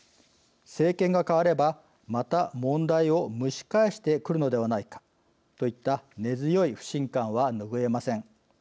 政権が代わればまた問題を蒸し返してくるのではないかといった根強い不信感は拭えません。